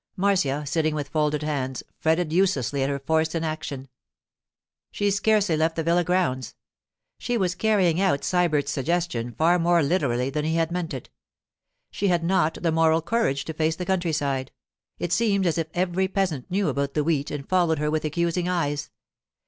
Marcia, sitting with folded hands, fretted uselessly at her forced inaction. She scarcely left the villa grounds; she was carrying out Sybert's suggestion far more literally than he had meant it. She had not the moral courage to face the countryside; it seemed as if every peasant knew about the wheat and followed her with accusing eyes.